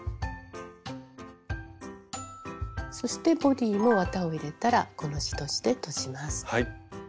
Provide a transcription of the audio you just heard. そしてボディーも綿を入れたらコの字とじでとじます。